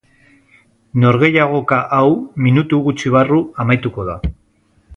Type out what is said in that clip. Norgehiagoka hau minutu gutxi barru amaituko da.